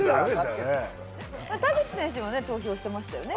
田口選手もね投票してましたよね